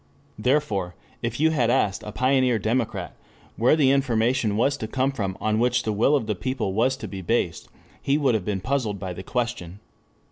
Therefore, if you had asked a pioneer democrat where the information was to come from on which the will of the people was to be based, he would have been puzzled by the question.